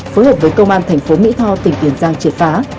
phối hợp với công an thành phố mỹ tho tỉnh tiền giang triệt phá